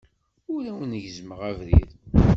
Ur awen-gezzmeɣ abrid.